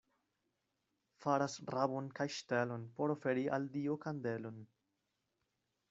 Faras rabon kaj ŝtelon, por oferi al Dio kandelon.